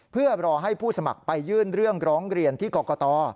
เพื่อรอให้ผู้สมัครไปยื่นเรื่องร้องเรียนที่กรกต